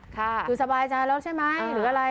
คือสบายใจแล้วใช่ไหมหรืออะไร